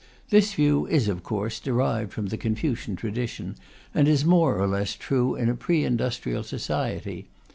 This view is, of course, derived from the Confucian tradition, and is more or less true in a pre industrial society.